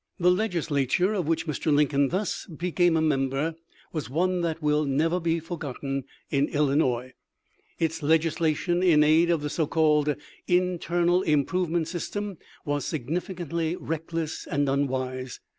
The Legislature of which Mr. Lincoln thus be * R. L. Wilson, MS. 174 THE LIFE OF LINCOLN. came a member was one that will never be for gotten in Illinois. Its legislation in aid of the so called internal improvement system was sig nificantly reckless and unwise.